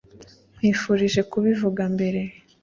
nkwifurije kubivuga mbere